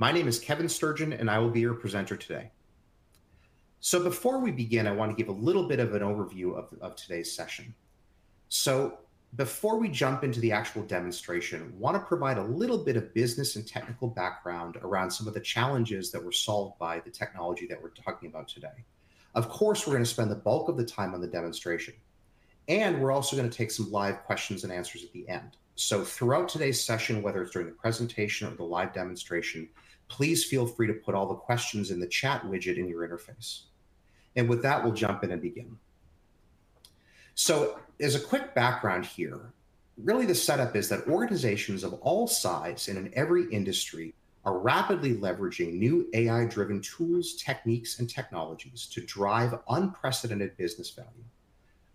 My name is Kevin Sturgeon, and I will be your presenter today. Before we begin, I want to give a little bit of an overview of today's session. Before we jump into the actual demonstration, I want to provide a little bit of business and technical background around some of the challenges that were solved by the technology that we're talking about today. Of course, we're going to spend the bulk of the time on the demonstration, and we're also going to take some live questions and answers at the end. Throughout today's session, whether it's during the presentation or the live demonstration, please feel free to put all the questions in the chat widget in your interface. With that, we'll jump in and begin. As a quick background here, really the setup is that organizations of all sizes and in every industry are rapidly leveraging new AI-driven tools, techniques, and technologies to drive unprecedented business value.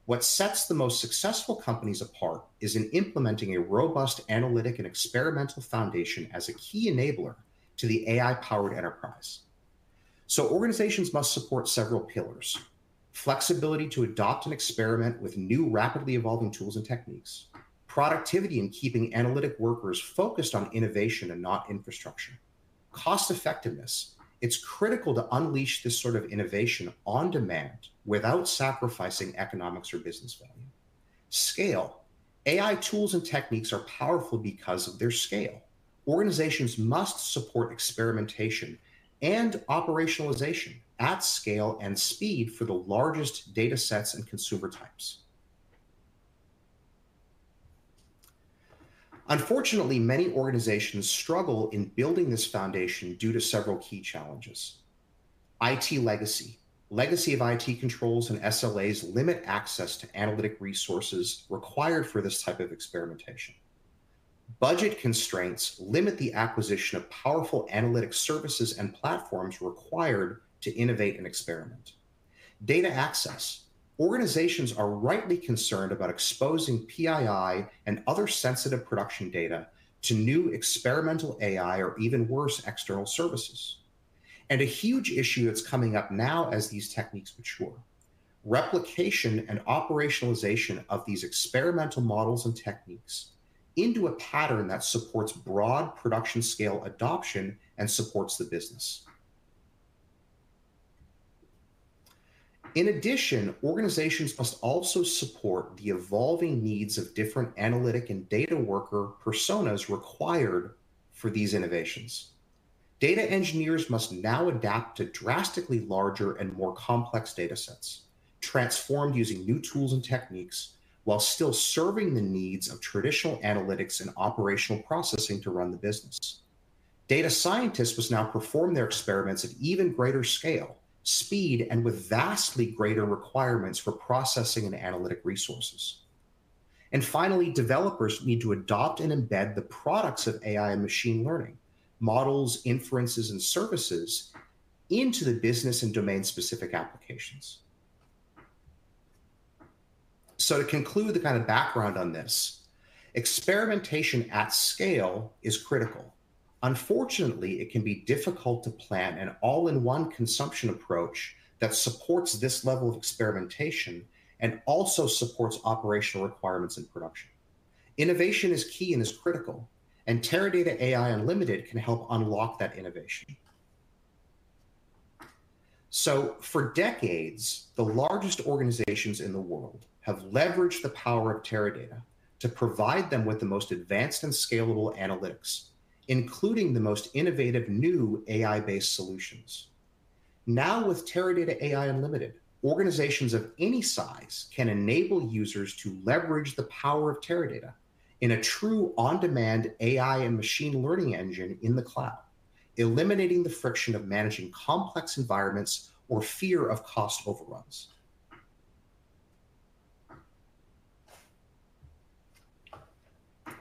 What sets the most successful companies apart is in implementing a robust analytic and experimental foundation as a key enabler to the AI-powered enterprise. Organizations must support several pillars: flexibility to adopt and experiment with new, rapidly evolving tools and techniques. Productivity in keeping analytic workers focused on innovation and not infrastructure. Cost-effectiveness. It's critical to unleash this sort of innovation on demand without sacrificing economics or business value. Scale. AI tools and techniques are powerful because of their scale. Organizations must support experimentation and operationalization at scale and speed for the largest data sets and consumer types. Unfortunately, many organizations struggle in building this foundation due to several key challenges. IT legacy. Legacy of IT controls and SLAs limit access to analytic resources required for this type of experimentation. Budget constraints limit the acquisition of powerful analytic services and platforms required to innovate and experiment. Data access. Organizations are rightly concerned about exposing PII and other sensitive production data to new experimental AI or, even worse, external services. A huge issue that's coming up now as these techniques mature: replication and operationalization of these experimental models and techniques into a pattern that supports broad production scale adoption and supports the business. In addition, organizations must also support the evolving needs of different analytic and data worker personas required for these innovations. Data engineers must now adapt to drastically larger and more complex data sets transformed using new tools and techniques while still serving the needs of traditional analytics and operational processing to run the business. Data scientists must now perform their experiments at even greater scale, speed, and with vastly greater requirements for processing and analytic resources. And finally, developers need to adopt and embed the products of AI and machine learning models, inferences, and services into the business and domain-specific applications. So to conclude the kind of background on this, experimentation at scale is critical. Unfortunately, it can be difficult to plan an all-in-one consumption approach that supports this level of experimentation and also supports operational requirements in production. Innovation is key and is critical, and Teradata AI Unlimited can help unlock that innovation. So for decades, the largest organizations in the world have leveraged the power of Teradata to provide them with the most advanced and scalable analytics, including the most innovative new AI-based solutions. Now, with Teradata AI Unlimited, organizations of any size can enable users to leverage the power of Teradata in a true on-demand AI and machine learning engine in the cloud, eliminating the friction of managing complex environments or fear of cost overruns.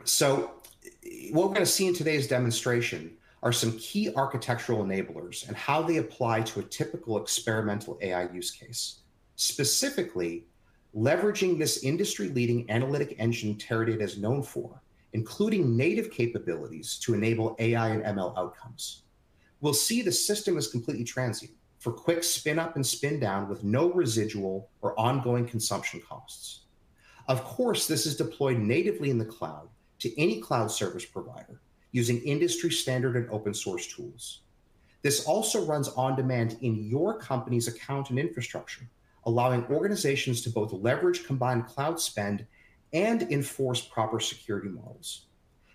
So what we're going to see in today's demonstration are some key architectural enablers and how they apply to a typical experimental AI use case, specifically leveraging this industry-leading analytic engine Teradata is known for, including native capabilities to enable AI and ML outcomes. We'll see the system is completely transient for quick spin-up and spin-down with no residual or ongoing consumption costs. Of course, this is deployed natively in the cloud to any cloud service provider using industry-standard and open-source tools. This also runs on demand in your company's account and infrastructure, allowing organizations to both leverage combined cloud spend and enforce proper security models.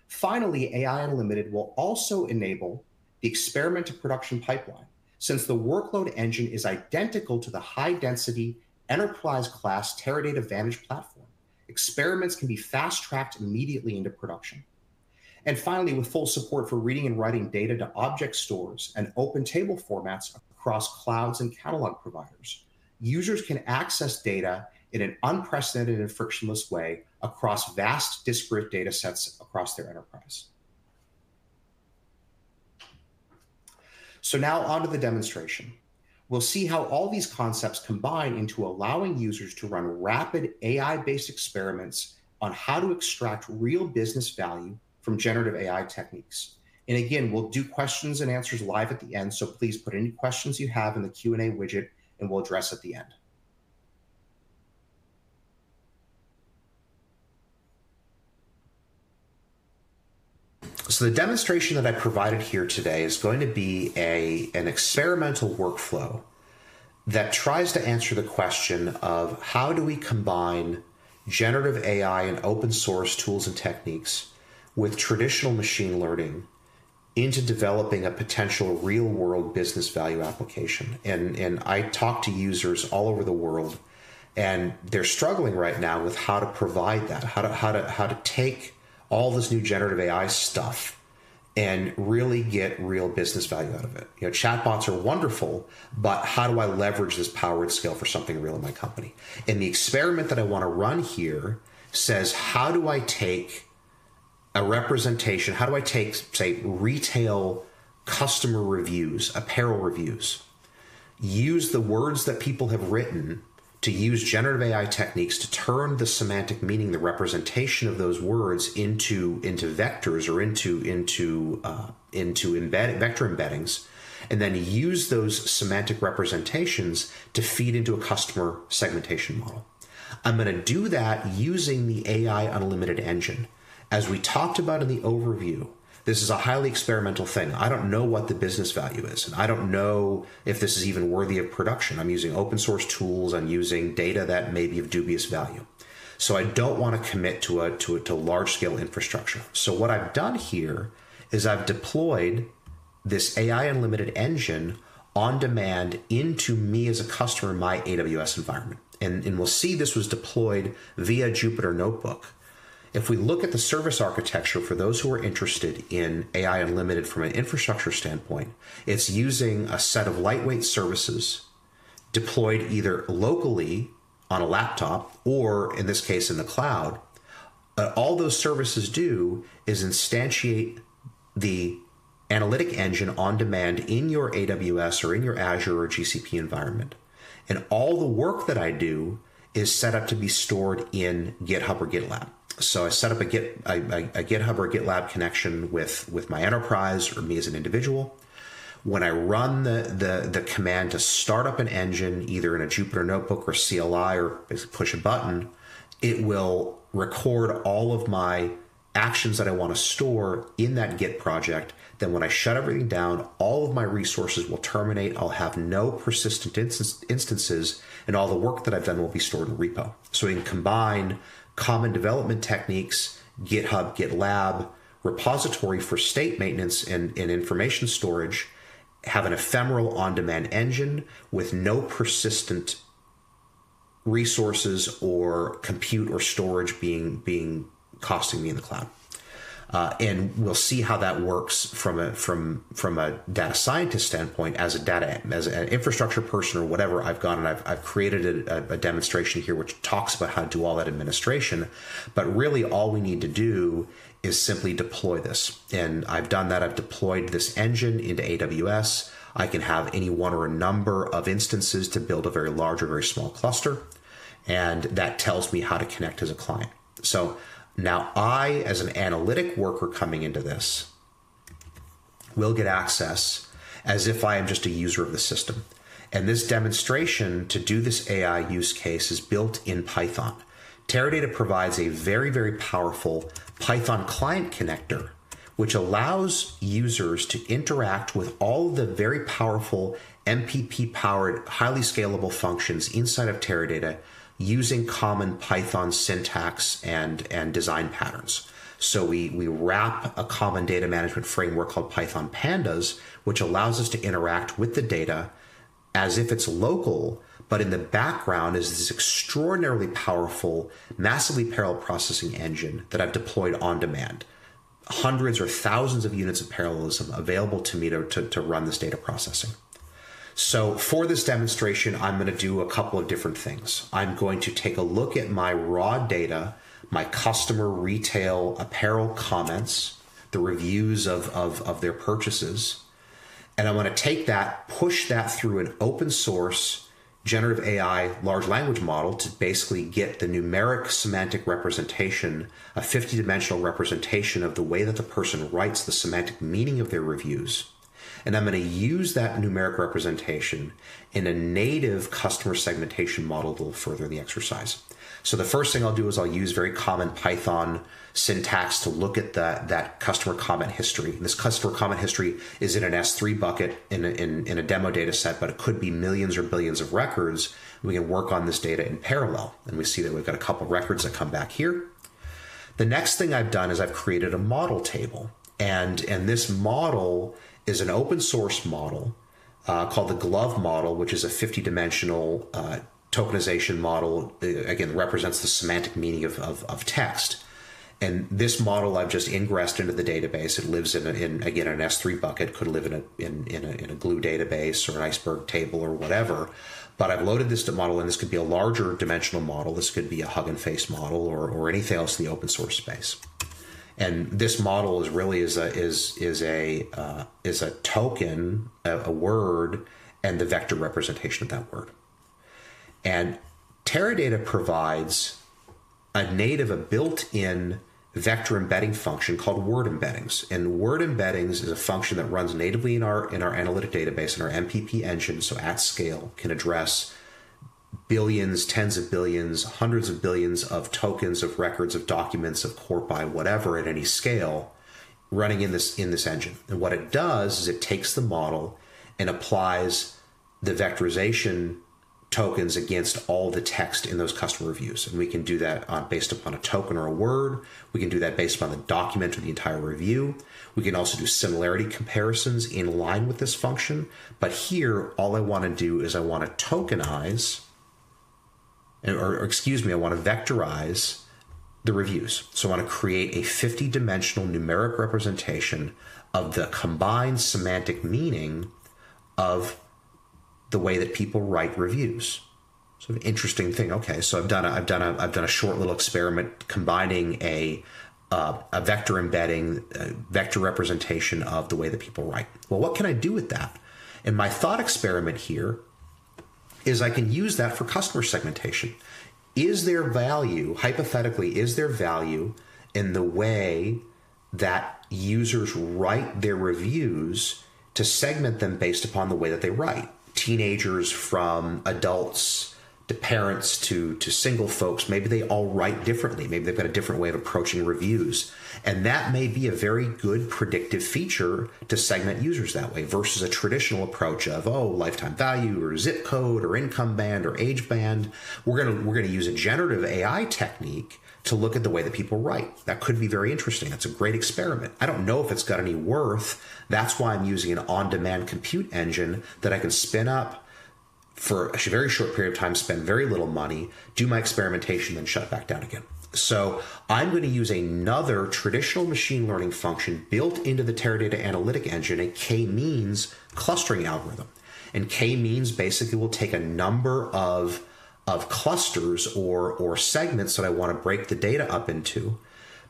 Finally, AI Unlimited will also enable the experiment to production pipeline. Since the workload engine is identical to the high-density enterprise-class Teradata Vantage platform, experiments can be fast-tracked immediately into production. And finally, with full support for reading and writing data to object stores and open table formats across clouds and catalog providers, users can access data in an unprecedented and frictionless way across vast disparate data sets across their enterprise. Now on to the demonstration. We'll see how all these concepts combine into allowing users to run rapid AI-based experiments on how to extract real business value from generative AI techniques. And again, we'll do questions and answers live at the end, so please put any questions you have in the Q&A widget, and we'll address at the end. So the demonstration that I provided here today is going to be an experimental workflow that tries to answer the question of how do we combine generative AI and open-source tools and techniques with traditional machine learning into developing a potential real-world business value application. And I talk to users all over the world, and they're struggling right now with how to provide that, how to take all this new generative AI stuff and really get real business value out of it. Chatbots are wonderful, but how do I leverage this power at scale for something real in my company? And the experiment that I want to run here says, how do I take a representation? How do I take, say, retail customer reviews, apparel reviews, use the words that people have written to use generative AI techniques to turn the semantic meaning, the representation of those words into vectors or into vector embeddings, and then use those semantic representations to feed into a customer segmentation model? I'm going to do that using the AI Unlimited engine. As we talked about in the overview, this is a highly experimental thing. I don't know what the business value is, and I don't know if this is even worthy of production. I'm using open-source tools. I'm using data that may be of dubious value. So I don't want to commit to large-scale infrastructure. So what I've done here is I've deployed this AI Unlimited engine on demand into my as a customer in my AWS environment. And we'll see this was deployed via Jupyter Notebook. If we look at the service architecture for those who are interested in AI Unlimited from an infrastructure standpoint, it's using a set of lightweight services deployed either locally on a laptop or, in this case, in the cloud. All those services do is instantiate the analytic engine on demand in your AWS or in your Azure or GCP environment. All the work that I do is set up to be stored in GitHub or GitLab. I set up a GitHub or GitLab connection with my enterprise or me as an individual. When I run the command to start up an engine, either in a Jupyter Notebook or CLI or push a button, it will record all of my actions that I want to store in that Git project. When I shut everything down, all of my resources will terminate. I'll have no persistent instances, and all the work that I've done will be stored in repo. So we can combine common development techniques, GitHub, GitLab, repository for state maintenance and information storage, have an ephemeral on-demand engine with no persistent resources or compute or storage costing me in the cloud. And we'll see how that works from a data scientist standpoint as an infrastructure person or whatever. I've created a demonstration here which talks about how to do all that administration, but really all we need to do is simply deploy this. And I've done that. I've deployed this engine into AWS. I can have any one or a number of instances to build a very large or very small cluster, and that tells me how to connect as a client. So now I, as an analytic worker coming into this, will get access as if I am just a user of the system. This demonstration to do this AI use case is built in Python. Teradata provides a very, very powerful Python client connector which allows users to interact with all the very powerful MPP-powered, highly scalable functions inside of Teradata using common Python syntax and design patterns. So we wrap a common data management framework called pandas, which allows us to interact with the data as if it's local, but in the background is this extraordinarily powerful, massively parallel processing engine that I've deployed on demand, hundreds or thousands of units of parallelism available to me to run this data processing. So for this demonstration, I'm going to do a couple of different things. I'm going to take a look at my raw data, my customer retail apparel comments, the reviews of their purchases, and I want to take that, push that through an open-source generative AI large language model to basically get the numeric semantic representation, a 50-dimensional representation of the way that the person writes the semantic meaning of their reviews. And I'm going to use that numeric representation in a native customer segmentation model that will further the exercise. So the first thing I'll do is I'll use very common Python syntax to look at that customer comment history. And this customer comment history is in an S3 bucket in a demo data set, but it could be millions or billions of records. We can work on this data in parallel. And we see that we've got a couple of records that come back here. The next thing I've done is I've created a model table. This model is an open-source model called the GloVe model, which is a 50-dimensional tokenization model, again, that represents the semantic meaning of text. This model I've just ingested into the database. It lives in, again, an S3 bucket. It could live in a Glue database or an Iceberg table or whatever. But I've loaded this model, and this could be a larger dimensional model. This could be a Hugging Face model or anything else in the open-source space. This model really is a token, a word, and the vector representation of that word. Teradata provides a native, a built-in vector embedding function called Word Embeddings. Word Embeddings is a function that runs natively in our analytic database and our MPP engine, so at scale can address billions, tens of billions, hundreds of billions of tokens of records of documents of corpora, whatever, at any scale running in this engine. What it does is it takes the model and applies the vectorization tokens against all the text in those customer reviews. We can do that based upon a token or a word. We can do that based upon the document or the entire review. We can also do similarity comparisons in line with this function. But here, all I want to do is I want to tokenize, or excuse me, I want to vectorize the reviews. I want to create a 50-dimensional numeric representation of the combined semantic meaning of the way that people write reviews. Sort of interesting thing. Okay. So I've done a short little experiment combining a vector embedding, vector representation of the way that people write. Well, what can I do with that? And my thought experiment here is I can use that for customer segmentation. Is there value, hypothetically, is there value in the way that users write their reviews to segment them based upon the way that they write? Teenagers from adults to parents to single folks, maybe they all write differently. Maybe they've got a different way of approaching reviews. And that may be a very good predictive feature to segment users that way versus a traditional approach of, oh, lifetime value or zip code or income band or age band. We're going to use a generative AI technique to look at the way that people write. That could be very interesting. That's a great experiment. I don't know if it's got any worth. That's why I'm using an on-demand compute engine that I can spin up for a very short period of time, spend very little money, do my experimentation, then shut it back down again. So I'm going to use another traditional machine learning function built into the Teradata analytic engine, a K-means clustering algorithm. And K-means basically will take a number of clusters or segments that I want to break the data up into,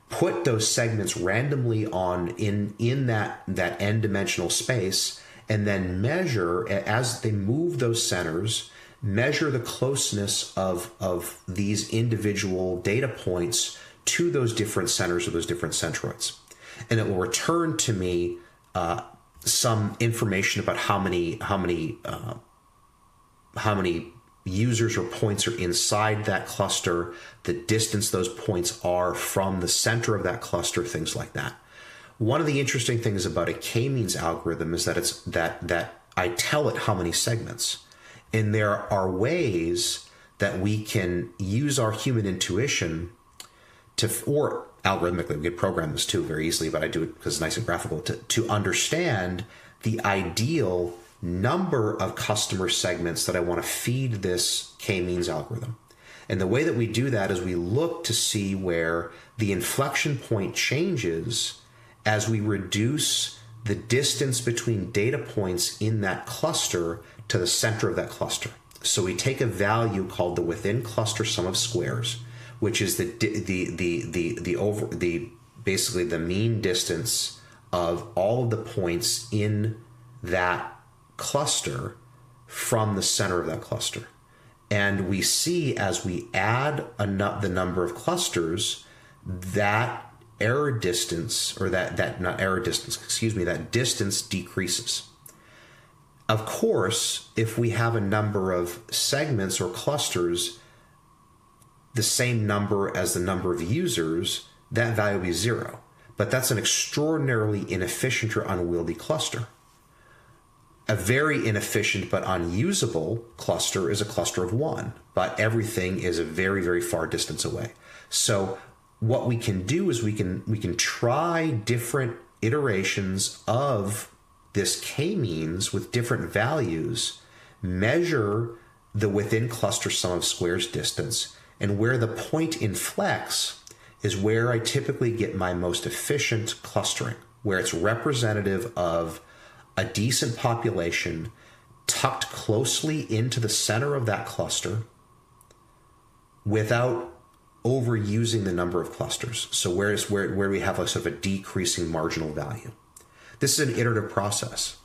put those segments randomly in that n-dimensional space, and then measure, as they move those centers, measure the closeness of these individual data points to those different centers or those different centroids. And it will return to me some information about how many users or points are inside that cluster, the distance those points are from the center of that cluster, things like that. One of the interesting things about a K-means algorithm is that I tell it how many segments. There are ways that we can use our human intuition or algorithmically. We can program this too very easily, but I do it because it's nice and graphical to understand the ideal number of customer segments that I want to feed this K-means algorithm. The way that we do that is we look to see where the inflection point changes as we reduce the distance between data points in that cluster to the center of that cluster. We take a value called the within-cluster sum of squares, which is basically the mean distance of all of the points in that cluster from the center of that cluster. We see as we add the number of clusters, that error distance or that not error distance, excuse me, that distance decreases. Of course, if we have a number of segments or clusters, the same number as the number of users, that value will be zero. But that's an extraordinarily inefficient or unwieldy cluster. A very inefficient but unusable cluster is a cluster of one, but everything is a very, very far distance away. So what we can do is we can try different iterations of this K-means with different values, measure the within-cluster sum of squares distance, and where the point inflects is where I typically get my most efficient clustering, where it's representative of a decent population tucked closely into the center of that cluster without overusing the number of clusters, so where we have sort of a decreasing marginal value. This is an iterative process.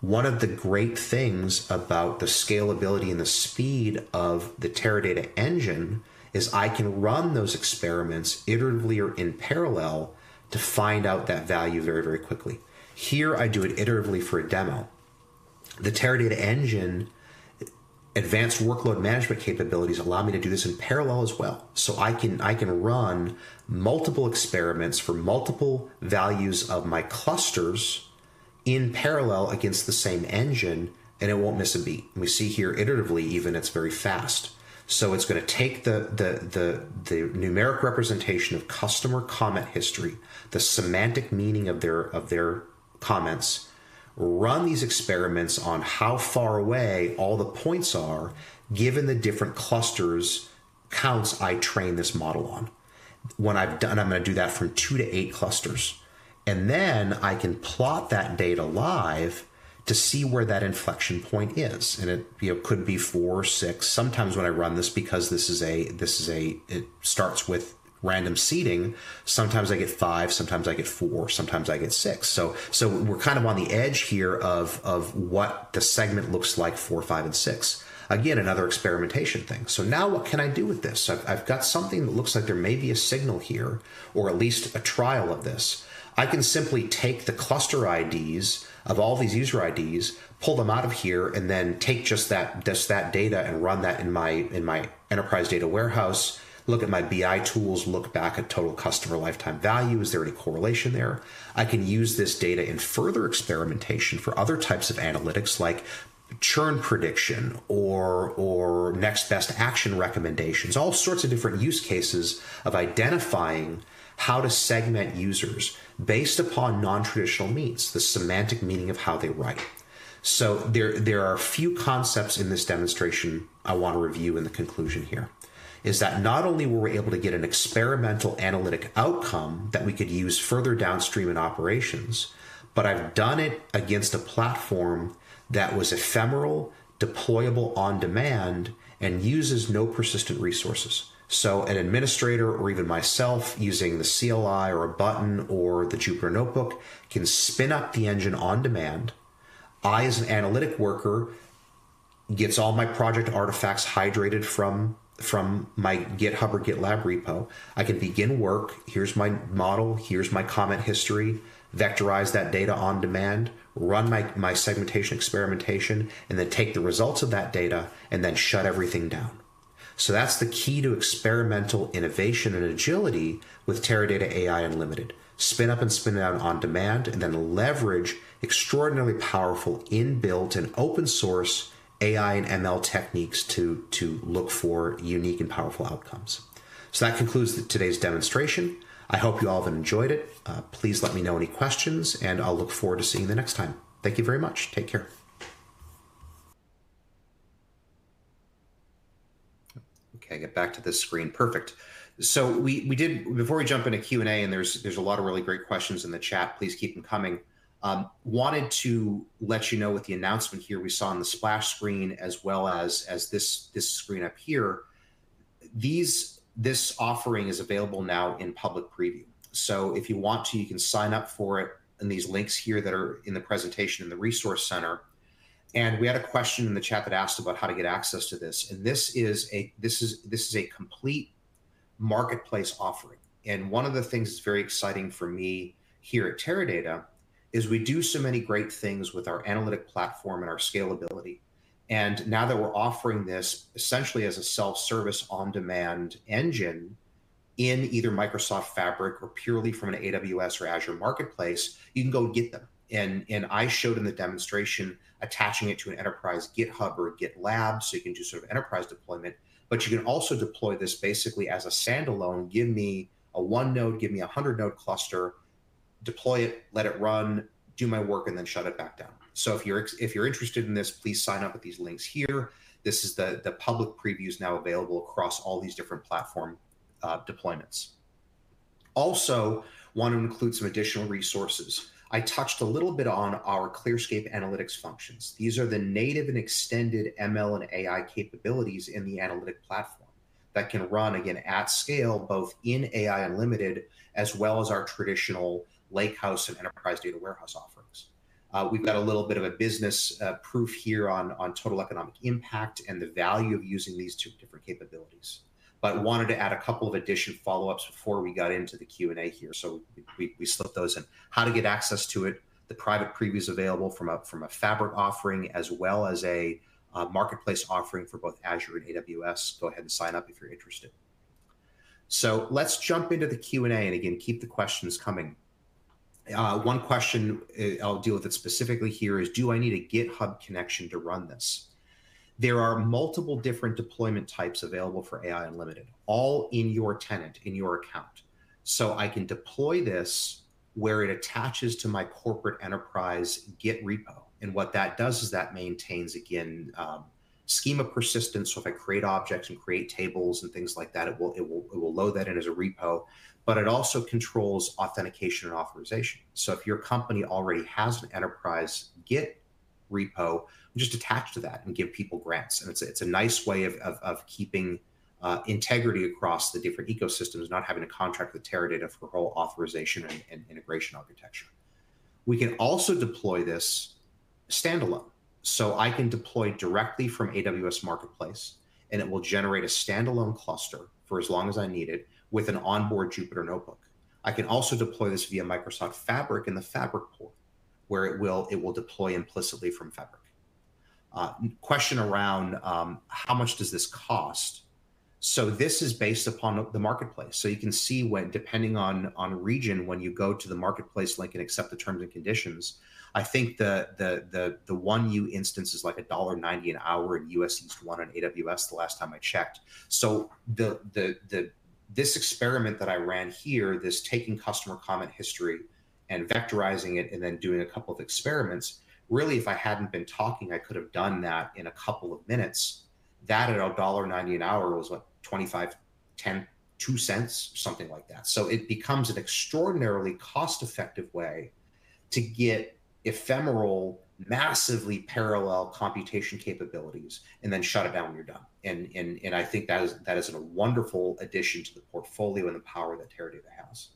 One of the great things about the scalability and the speed of the Teradata engine is I can run those experiments iteratively or in parallel to find out that value very, very quickly. Here, I do it iteratively for a demo. The Teradata engine, advanced workload management capabilities, allow me to do this in parallel as well. So I can run multiple experiments for multiple values of my clusters in parallel against the same engine, and it won't miss a beat. And we see here iteratively, even it's very fast. So it's going to take the numeric representation of customer comment history, the semantic meaning of their comments, run these experiments on how far away all the points are given the different clusters' counts I train this model on. And I'm going to do that from 2-8 clusters. And then I can plot that data live to see where that inflection point is. And it could be four, six. Sometimes when I run this, because this is, it starts with random seeding, sometimes I get five, sometimes I get four, sometimes I get six. So we're kind of on the edge here of what the segment looks like four, five, and six. Again, another experimentation thing. So now what can I do with this? I've got something that looks like there may be a signal here or at least a trial of this. I can simply take the cluster IDs of all these user IDs, pull them out of here, and then take just that data and run that in my enterprise data warehouse, look at my BI tools, look back at total customer lifetime value. Is there any correlation there? I can use this data in further experimentation for other types of analytics like churn prediction or next best action recommendations, all sorts of different use cases of identifying how to segment users based upon non-traditional means, the semantic meaning of how they write. So there are a few concepts in this demonstration I want to review in the conclusion here, is that not only were we able to get an experimental analytic outcome that we could use further downstream in operations, but I've done it against a platform that was ephemeral, deployable on demand, and uses no persistent resources. So an administrator or even myself using the CLI or a button or the Jupyter Notebook can spin up the engine on demand. I, as an analytic worker, get all my project artifacts hydrated from my GitHub or GitLab repo. I can begin work. Here's my model. Here's my comment history. Vectorize that data on demand, run my segmentation experimentation, and then take the results of that data and then shut everything down. So that's the key to experimental innovation and agility with Teradata AI Unlimited. Spin up and spin it out on demand and then leverage extraordinarily powerful inbuilt and open-source AI and ML techniques to look for unique and powerful outcomes. So that concludes today's demonstration. I hope you all have enjoyed it. Please let me know any questions, and I'll look forward to seeing you the next time. Thank you very much. Take care. Okay. I get back to the screen. Perfect. So before we jump into Q&A, and there's a lot of really great questions in the chat, please keep them coming. Wanted to let you know with the announcement here we saw on the splash screen as well as this screen up here, this offering is available now in public preview. So if you want to, you can sign up for it in these links here that are in the presentation in the resource center. And we had a question in the chat that asked about how to get access to this. And this is a complete marketplace offering. And one of the things that's very exciting for me here at Teradata is we do so many great things with our analytic platform and our scalability. And now that we're offering this essentially as a self-service on-demand engine in either Microsoft Fabric or purely from an AWS or Azure Marketplace, you can go get them. I showed in the demonstration attaching it to an enterprise GitHub or GitLab so you can do sort of enterprise deployment. But you can also deploy this basically as a standalone, give me a 1-node, give me a 100-node cluster, deploy it, let it run, do my work, and then shut it back down. So if you're interested in this, please sign up at these links here. This is the public previews now available across all these different platform deployments. Also, want to include some additional resources. I touched a little bit on our ClearScape Analytics functions. These are the native and extended ML and AI capabilities in the analytic platform that can run, again, at scale both in AI Unlimited as well as our traditional Lakehouse and enterprise data warehouse offerings. We've got a little bit of a business proof here on total economic impact and the value of using these two different capabilities. But wanted to add a couple of additional follow-ups before we got into the Q&A here. So we slipped those in. How to get access to it, the private previews available from a Fabric offering as well as a marketplace offering for both Azure and AWS. Go ahead and sign up if you're interested. So let's jump into the Q&A and again, keep the questions coming. One question I'll deal with it specifically here is, do I need a GitHub connection to run this? There are multiple different deployment types available for AI Unlimited, all in your tenant, in your account. So I can deploy this where it attaches to my corporate enterprise Git repo. And what that does is that maintains, again, schema persistence. So if I create objects and create tables and things like that, it will load that in as a repo. But it also controls authentication and authorization. So if your company already has an enterprise Git repo, just attach to that and give people grants. And it's a nice way of keeping integrity across the different ecosystems, not having to contract with Teradata for whole authorization and integration architecture. We can also deploy this standalone. So I can deploy directly from AWS Marketplace, and it will generate a standalone cluster for as long as I need it with an onboard Jupyter Notebook. I can also deploy this via Microsoft Fabric in the Fabric port where it will deploy implicitly from Fabric. Question around how much does this cost? So this is based upon the marketplace. So you can see when, depending on region, when you go to the marketplace link and accept the terms and conditions, I think the 1U instance is like $1.90 an hour in US East 1 on AWS the last time I checked. So this experiment that I ran here, this taking customer comment history and vectorizing it and then doing a couple of experiments, really, if I hadn't been talking, I could have done that in a couple of minutes. That at $1.90 an hour was like $0.25, $0.10, $0.02, something like that. So it becomes an extraordinarily cost-effective way to get ephemeral, massively parallel computation capabilities and then shut it down when you're done. And I think that is a wonderful addition to the portfolio and the power that Teradata has.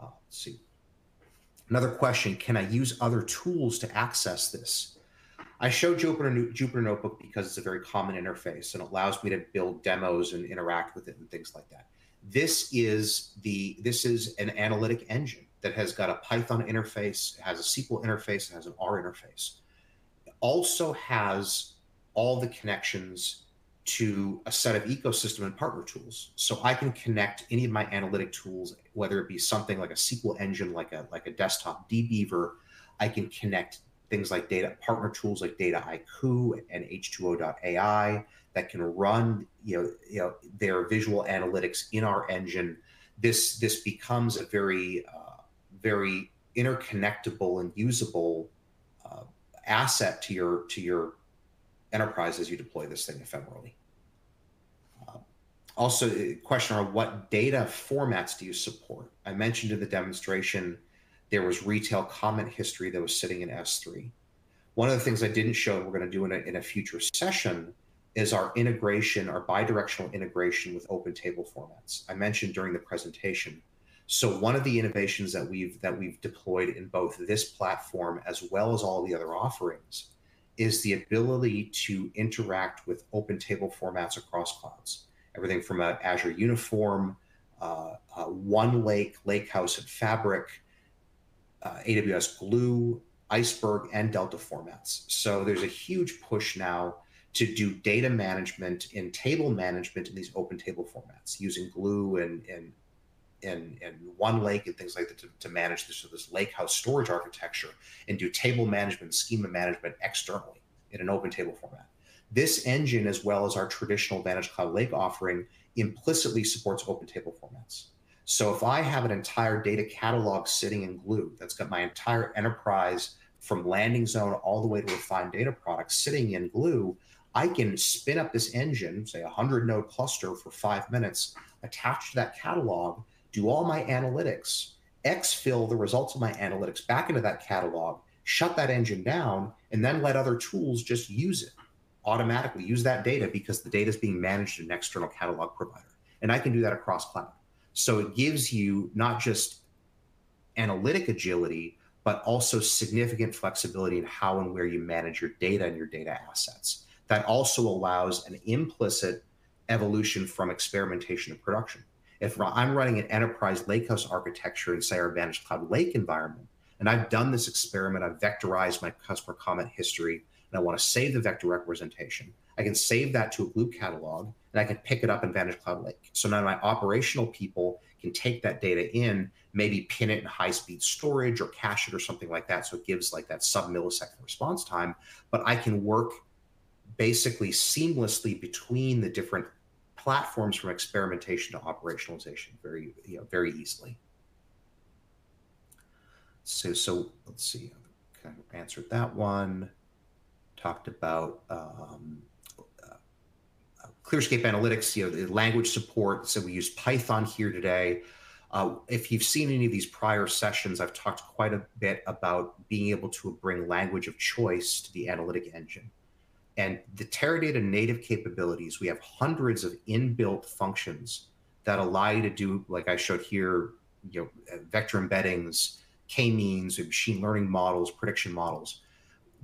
Let's see. Another question, can I use other tools to access this? I showed Jupyter Notebook because it's a very common interface and allows me to build demos and interact with it and things like that. This is an analytic engine that has got a Python interface, has a SQL interface, has an R interface, also has all the connections to a set of ecosystem and partner tools. So I can connect any of my analytic tools, whether it be something like a SQL engine, like a desktop DBeaver, I can connect things like data partner tools like Dataiku and H2O.ai that can run their visual analytics in our engine. This becomes a very interconnectable and usable asset to your enterprise as you deploy this thing ephemerally. Also, question around what data formats do you support? I mentioned in the demonstration there was retail comment history that was sitting in S3. One of the things I didn't show and we're going to do in a future session is our integration, our bidirectional integration with open table formats. I mentioned during the presentation. So one of the innovations that we've deployed in both this platform as well as all the other offerings is the ability to interact with open table formats across clouds, everything from Azure, OneLake, Lakehouse, and Fabric, AWS Glue, Iceberg, and Delta formats. So there's a huge push now to do data management and table management in these open table formats using Glue and OneLake and things like that to manage this Lakehouse storage architecture and do table management, schema management externally in an open table format. This engine, as well as our traditional VantageCloud Lake offering, implicitly supports open table formats. So if I have an entire data catalog sitting in Glue that's got my entire enterprise from landing zone all the way to refined data products sitting in Glue, I can spin up this engine, say, a 100-node cluster for 5 minutes, attach to that catalog, do all my analytics, exfil the results of my analytics back into that catalog, shut that engine down, and then let other tools just use it automatically, use that data because the data is being managed in an external catalog provider. And I can do that across cloud. So it gives you not just analytic agility, but also significant flexibility in how and where you manage your data and your data assets. That also allows an implicit evolution from experimentation to production. If I'm running an enterprise Lakehouse architecture in, say, our VantageCloud Lake environment, and I've done this experiment, I've vectorized my customer comment history, and I want to save the vector representation, I can save that to a Glue catalog, and I can pick it up in VantageCloud Lake. So now my operational people can take that data in, maybe pin it in high-speed storage or cache it or something like that. So it gives like that sub-millisecond response time, but I can work basically seamlessly between the different platforms from experimentation to operationalization very easily. So let's see. Okay, answered that one. Talked about ClearScape Analytics, the language support. So we use Python here today. If you've seen any of these prior sessions, I've talked quite a bit about being able to bring language of choice to the analytic engine. The Teradata native capabilities, we have hundreds of inbuilt functions that allow you to do, like I showed here, vector embeddings, K-means, machine learning models, prediction models.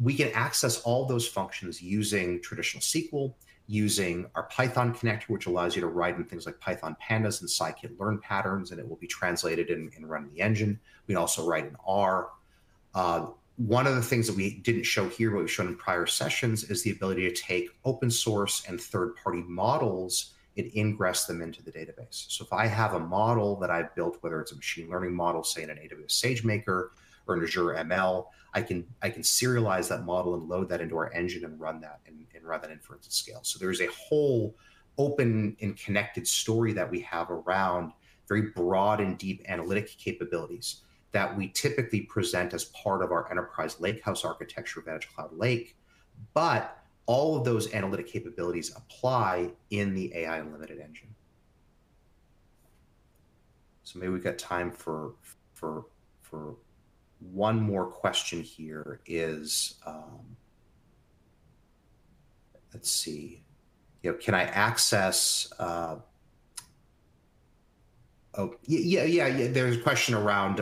We can access all those functions using traditional SQL, using our Python connector, which allows you to write in things like Python pandas and scikit-learn patterns, and it will be translated and run in the engine. We also write in R. One of the things that we didn't show here, but we've shown in prior sessions, is the ability to take open-source and third-party models and ingress them into the database. So if I have a model that I've built, whether it's a machine learning model, say, in an AWS SageMaker or an Azure ML, I can serialize that model and load that into our engine and run that and run that inference at scale. So there is a whole open and connected story that we have around very broad and deep analytic capabilities that we typically present as part of our enterprise Lakehouse architecture of VantageCloud Lake. But all of those analytic capabilities apply in the AI Unlimited engine. So maybe we've got time for one more question here. Is, let's see. Can I access? Oh, yeah, yeah, yeah. There's a question around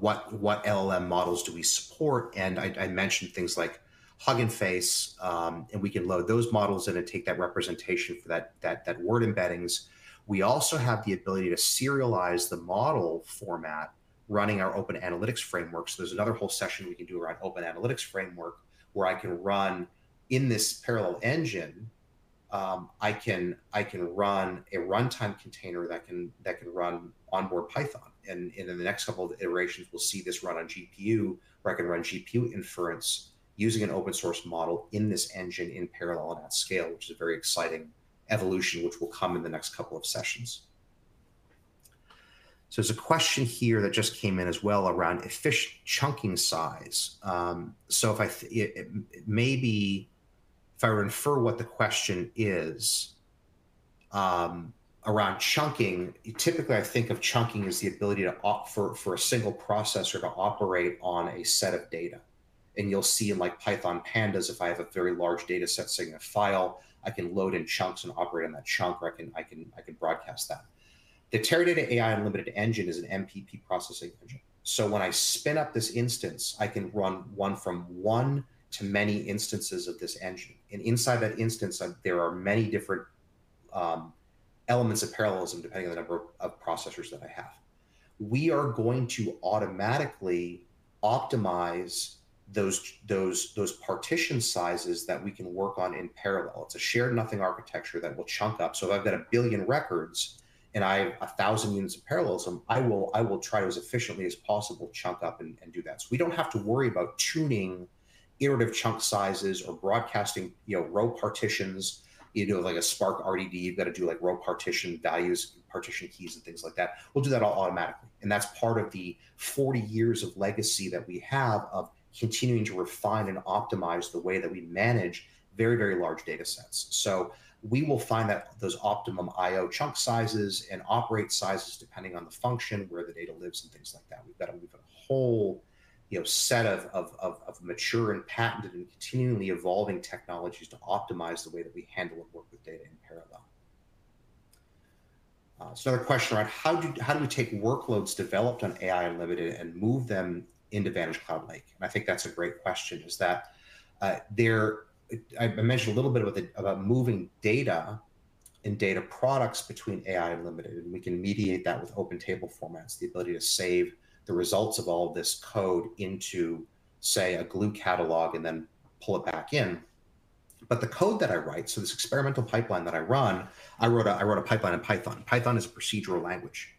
what LLM models do we support? And I mentioned things like Hugging Face, and we can load those models and then take that representation for that Word Embeddings. We also have the ability to serialize the model format running our Open Analytics Framework. So there's another whole session we can do around Open Analytics Framework where I can run in this parallel engine. I can run a runtime container that can run onboard Python. In the next couple of iterations, we'll see this run on GPU, where I can run GPU inference using an open-source model in this engine in parallel at scale, which is a very exciting evolution, which will come in the next couple of sessions. There's a question here that just came in as well around efficient chunking size. Maybe if I were to infer what the question is around chunking, typically I think of chunking as the ability for a single processor to operate on a set of data. You'll see in like Python pandas, if I have a very large dataset sigle file, I can load in chunks and operate on that chunk, or I can broadcast that. The Teradata AI Unlimited engine is an MPP processing engine. So when I spin up this instance, I can run one from one to many instances of this engine. And inside that instance, there are many different elements of parallelism depending on the number of processors that I have. We are going to automatically optimize those partition sizes that we can work on in parallel. It's a shared nothing architecture that will chunk up. So if I've got a billion records and I have a thousand units of parallelism, I will try to, as efficiently as possible, chunk up and do that. So we don't have to worry about tuning iterative chunk sizes or broadcasting row partitions into like a Spark RDD. You've got to do like row partition values, partition keys, and things like that. We'll do that all automatically. That's part of the 40 years of legacy that we have of continuing to refine and optimize the way that we manage very, very large datasets. We will find that those optimum IO chunk sizes and operate sizes depending on the function, where the data lives, and things like that. We've got a whole set of mature and patented and continually evolving technologies to optimize the way that we handle and work with data in parallel. Another question around how do we take workloads developed on AI Unlimited and move them into VantageCloud Lake? I think that's a great question, is that I mentioned a little bit about moving data and data products between AI Unlimited, and we can mediate that with OpenTable formats, the ability to save the results of all of this code into, say, a Glue catalog and then pull it back in. But the code that I write, so this experimental pipeline that I run, I wrote a pipeline in Python. Python is a procedural language.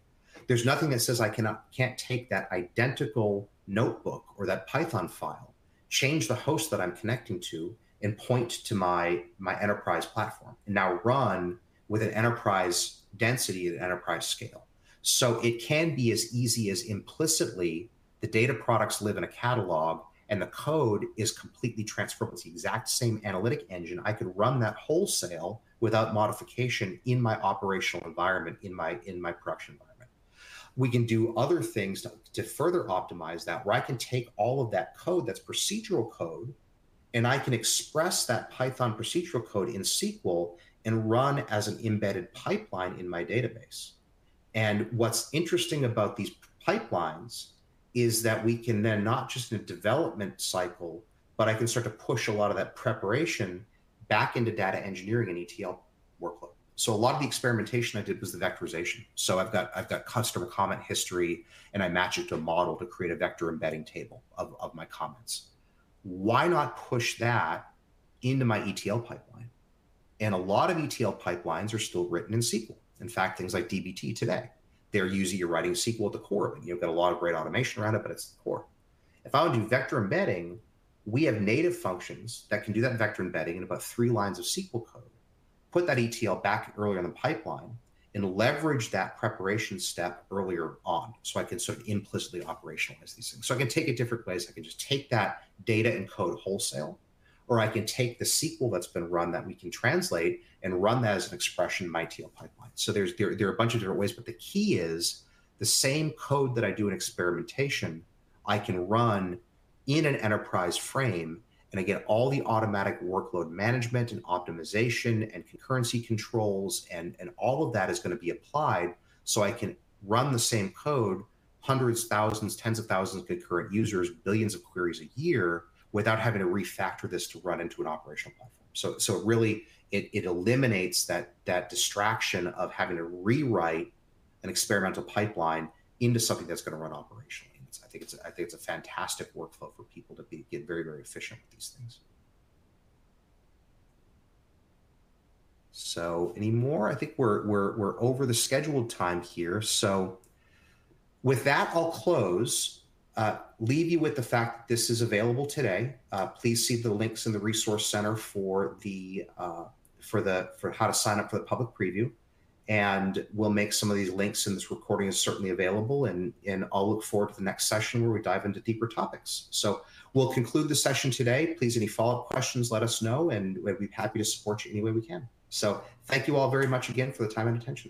There's nothing that says I can't take that identical notebook or that Python file, change the host that I'm connecting to, and point to my enterprise platform, and now run with an enterprise density and enterprise scale. So it can be as easy as, implicitly, the data products live in a catalog and the code is completely transferable to the exact same analytic engine. I could run that wholesale without modification in my operational environment, in my production environment. We can do other things to further optimize that where I can take all of that code that's procedural code, and I can express that Python procedural code in SQL and run as an embedded pipeline in my database. What's interesting about these pipelines is that we can then not just in a development cycle, but I can start to push a lot of that preparation back into data engineering and ETL workload. So a lot of the experimentation I did was the vectorization. So I've got customer comment history, and I match it to a model to create a vector embedding table of my comments. Why not push that into my ETL pipeline? A lot of ETL pipelines are still written in SQL. In fact, things like DBT today, they're using you're writing SQL at the core of it. You've got a lot of great automation around it, but it's the core. If I want to do vector embedding, we have native functions that can do that vector embedding in about three lines of SQL code, put that ETL back earlier in the pipeline, and leverage that preparation step earlier on. So I can sort of implicitly operationalize these things. So I can take it different ways. I can just take that data and code wholesale, or I can take the SQL that's been run that we can translate and run that as an expression in my ETL pipeline. So there are a bunch of different ways, but the key is the same code that I do in experimentation, I can run in an enterprise frame, and again, all the automatic workload management and optimization and concurrency controls and all of that is going to be applied. So I can run the same code, hundreds, thousands, tens of thousands of concurrent users, billions of queries a year without having to refactor this to run into an operational platform. So really, it eliminates that distraction of having to rewrite an experimental pipeline into something that's going to run operationally. I think it's a fantastic workflow for people to get very, very efficient with these things. So any more? I think we're over the scheduled time here. So with that, I'll close, leave you with the fact that this is available today. Please see the links in the resource center for how to sign up for the public preview. We'll make some of these links in this recording certainly available, and I'll look forward to the next session where we dive into deeper topics. We'll conclude the session today. Please, any follow-up questions, let us know, and we'd be happy to support you any way we can. Thank you all very much again for the time and attention.